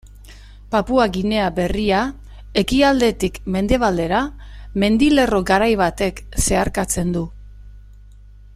Papua Ginea Berria ekialdetik mendebaldera mendilerro garai batek zeharkatzen du.